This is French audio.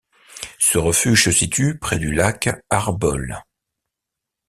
Ce refuge se situe près du lac Arbolle.